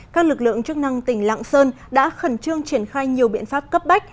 các lực lượng chức năng tỉnh lạng sơn đã khẩn trương triển khai nhiều biện pháp cấp bách